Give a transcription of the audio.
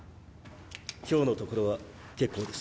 今日のところは結構です。